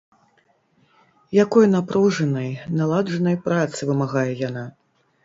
Якой напружанай, наладжанай працы вымагае яна!